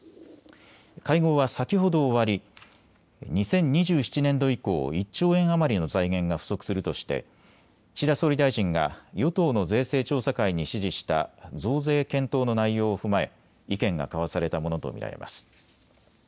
会合は先ほど終わり２０２７年度以降、１兆円余りの財源が不足するとして岸田総理大臣が与党の税制調査会に指示した増税検討の内容を踏まえ意見が交わされたものと見られます。